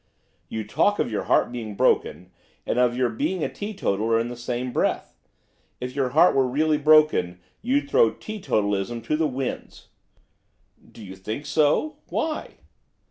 'You talk of your heart being broken, and of your being a teetotaler in the same breath, if your heart were really broken you'd throw teetotalism to the winds.' 'Do you think so, why?